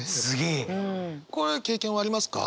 こういう経験はありますか？